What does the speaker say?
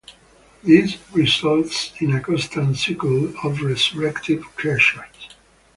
This results in a constant cycle of resurrected creatures.